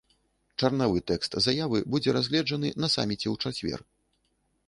Чарнавы тэкст заявы будзе разгледжаны на саміце ў чацвер.